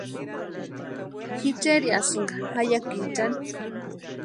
Ji cherhiasïnka jayakichani.